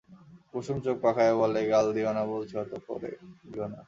কুসুম চোখ পাকাইয়া বলে, গাল দিও না বলছি অত করে, দিও না।